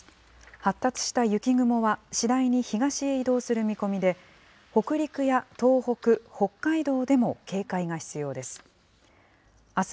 発達した雪雲は次第に東へ移動する見込みで、北陸や東北、北海道でも警戒が必要です。